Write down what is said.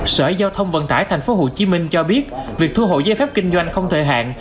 sở giao thông vận tải tp hcm cho biết việc thu hộ giấy phép kinh doanh không thời hạn